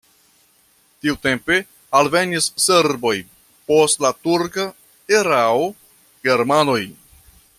Tiutempe alvenis serboj, post la turka erao germanoj.